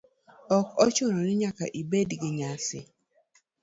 Ok ochuno ni nyaka ibed gi nyasi.